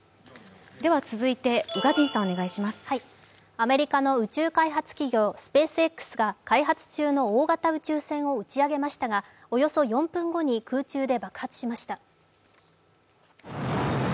アメリカの宇宙開発企業スペースＸが大型宇宙船を打ち上げましたがおよそ４分後に空中で爆発しました